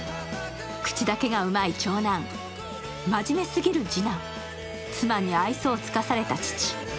口だけがうまい長男、真面目すぎる次男、妻に愛想を尽かされた父。